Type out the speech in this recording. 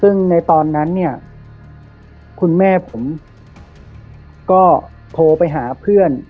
ซึ่งในตอนนั้นเนี่ยคุณแม่ผมก็โทรไปหาเพื่อน